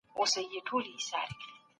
د موادو انتخاب څنګه کيږي؟